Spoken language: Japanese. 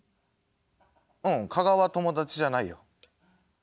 うん加賀は友達じゃないよ。